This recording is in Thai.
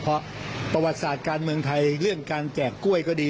เพราะประวัติศาสตร์การเมืองไทยเรื่องการแจกกล้วยก็ดี